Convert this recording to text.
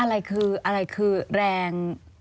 อะไรคือแรง